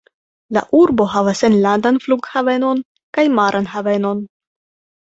La urbo havas enlandan flughavenon kaj maran havenon.